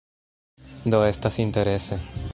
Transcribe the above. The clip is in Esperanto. Do estas interese.